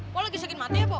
pok lagi sakit mata ya pok